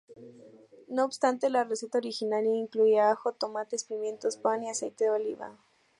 No obstante, la receta originaria incluía ajo, tomates, pimientos, pan, y aceite de oliva.